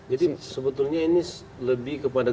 jadi sebetulnya ini lebih kepada